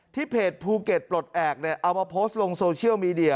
เพจภูเก็ตปลดแอบเอามาโพสต์ลงโซเชียลมีเดีย